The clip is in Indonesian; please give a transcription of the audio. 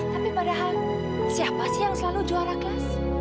tapi padahal siapa sih yang selalu juara kelas